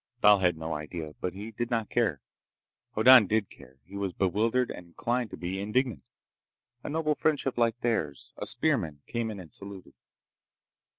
Thal had no idea, but he did not care. Hoddan did care. He was bewildered and inclined to be indignant. A noble friendship like theirs— A spearman, came in and saluted.